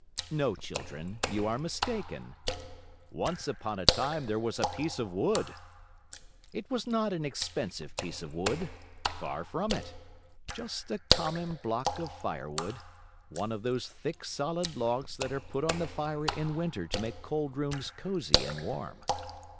No, children, you are mistaken. Once upon a time there was a piece of wood. It was not an expensive piece of wood. Far from it. Just a common block of firewood, one of those thick, solid logs that are put on the fire in winter to make cold rooms cozy and warm.